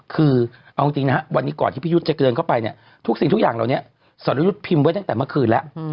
คือเอาจริงนะฮะวันนี้ก่อนที่พี่ยุทธ์จะเกินเข้าไปเนี่ยทุกสิ่งทุกอย่างเหล่านี้สรยุทธ์พิมพ์ไว้ตั้งแต่เมื่อคืนแล้ว